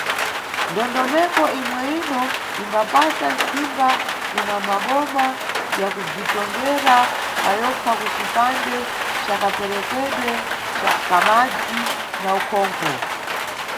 Ndondomeko imweyino imbapasa ntsimba kuna maboma ya kubzitongera payokha kucipande ca kaperekedwe ka madzi na ukhonkho.